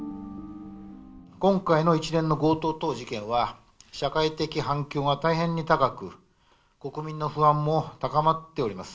今回の一連の強盗等事件は、社会的反響が大変に高く、国民の不安も高まっております。